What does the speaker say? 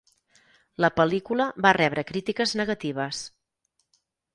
La pel·lícula va rebre crítiques negatives.